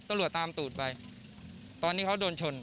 ตำรวจตามตูดไปตอนที่เขาโดนชน